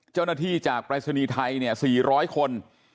เจ้าหน้าที่จากปรายศนียบัตรไทยเนี่ย๔๐๐คน